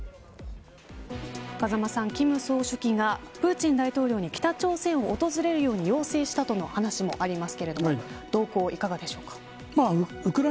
風間さん金総書記がプーチン大統領に北朝鮮を訪れるように要請したとの話もあります